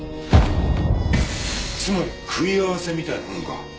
つまり食い合わせみたいなものか？